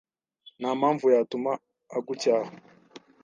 Nta mpamvu yatuma agucyaha.